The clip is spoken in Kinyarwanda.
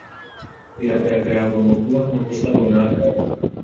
Biragaragara, hagomba kubaho amakosa runaka.